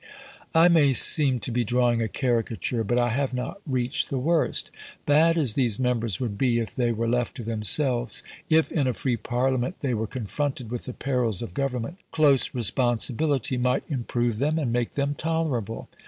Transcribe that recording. I may seem to be drawing a caricature, but I have not reached the worst. Bad as these members would be, if they were left to themselves if, in a free Parliament, they were confronted with the perils of government, close responsibility might improve them and make them tolerable.